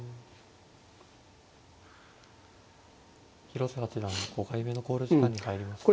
広瀬八段５回目の考慮時間に入りました。